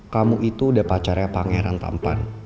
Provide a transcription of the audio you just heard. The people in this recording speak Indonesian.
kamu itu udah pacara pangeran tampan